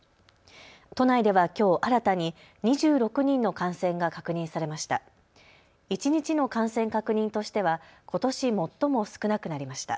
都内では、きょう新たに２６人の感染が確認されました。